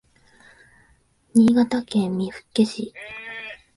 新潟県見附市